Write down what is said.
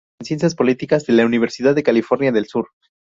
Se graduó en Ciencias Políticas de la Universidad de California del Sur.